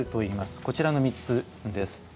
こちらの３つです。